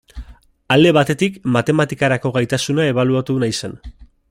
Alde batetik, matematikarako gaitasuna ebaluatu nahi zen.